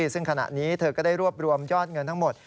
ซึ่งขณะนี้เธอก็ได้รวบรวมยอดเงินทั้งหมด